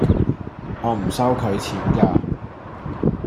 我唔收佢錢架